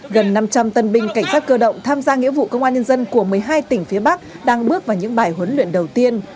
gần năm trăm linh tân binh cảnh sát cơ động tham gia nghĩa vụ công an nhân dân của một mươi hai tỉnh phía bắc đang bước vào những bài huấn luyện đầu tiên